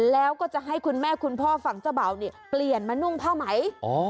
แล้วก็จะให้คุณแม่คุณพ่อฝั่งเจ้าเบาเนี่ยเปลี่ยนมานุ่งผ้าไหม